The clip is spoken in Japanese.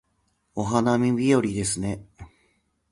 お花見日和ですね